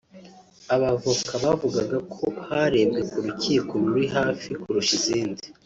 Abavoka bavugaga ko harebwe ku rukiko ruri hafi kurusha izindi